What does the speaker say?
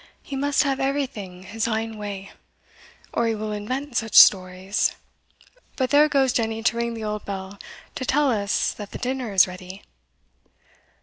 he must have everything his ain way, or he will invent such stories But there goes Jenny to ring the old bell to tell us that the dinner is ready."